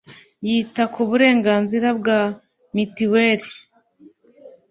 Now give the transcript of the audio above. yita ku burenganzira bwa mitiweri